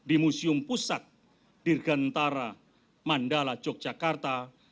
di museum pusat dirgantara mandala yogyakarta